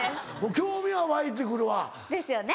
興味は湧いて来るわ。ですよね。